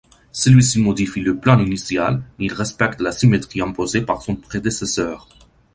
Celui-ci modifie le plan initial, mais il respecte la symétrie imposée par son prédécesseur.